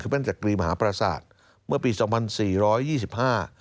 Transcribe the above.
แม่นจักรีมหาปราศาสตร์เมื่อปีสองพันสี่ร้อยยี่สิบห้า